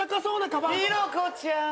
ヒロコちゃん。